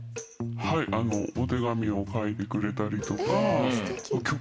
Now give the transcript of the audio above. はいお手紙を書いてくれたりとか。